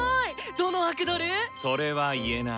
どのアクドル⁉それは言えない。